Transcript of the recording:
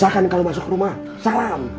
bahkan kalau masuk rumah salam